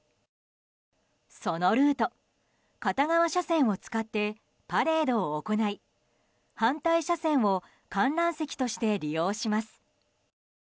そのルート、片側車線を使ってパレードを行い反対車線を観覧席として利用します。